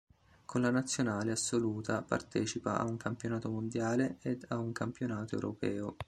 Con la nazionale assoluta partecipa a un campionato mondiale ed a un campionato europeo.